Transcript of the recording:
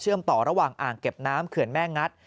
ต่อระหว่างอ่างเก็บน้ำเขื่อนแม่งัด